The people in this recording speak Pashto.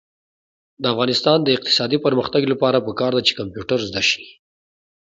د افغانستان د اقتصادي پرمختګ لپاره پکار ده چې کمپیوټر زده شي.